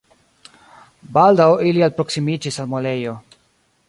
Baldaŭ ili alproksimiĝis al muelejo.